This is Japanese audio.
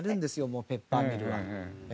もうペッパーミルは。